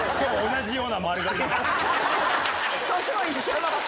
年も一緒の。